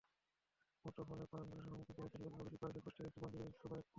মুঠোফোনে প্রাণনাশের হুমকি পেয়েছেন বলে অভিযোগ করেছেন কুষ্টিয়ার একটি মন্দিরের সেবায়েত নবকুমার ঘোষ।